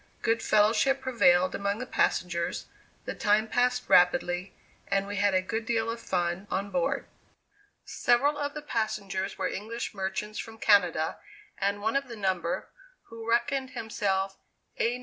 Good fellowship prevailed among the passengers, the time passed rapidly, and we had a good deal of fun on board. Several of the passengers were English merchants from Canada and one of the number, who reckoned himself "A, No.